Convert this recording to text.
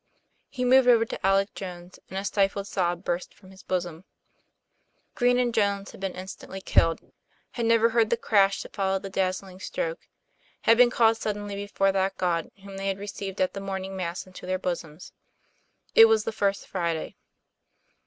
He moved over to Alec Jones, and a stifled sob burst from his bosom. Green and Jones had been instantly killed; had never heard the crash that followed the dazzling stroke; had been called suddenly before that God whom they had received at the morning Mass into their bosoms. It was the First Friday.